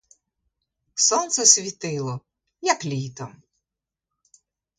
Сонце світило, як літом.